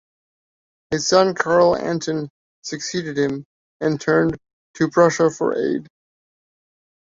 His son, Karl Anton, succeeded him, and turned to Prussia for aid.